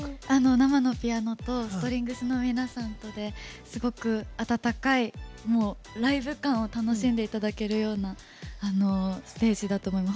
生のピアノとストリングスの皆さんとですごく温かいライブ感を楽しんでいただけるようなステージだと思います。